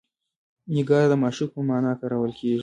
نګار د معشوق په معنی کارول کیږي.